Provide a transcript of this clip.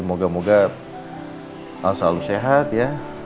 moga moga selalu sehat ya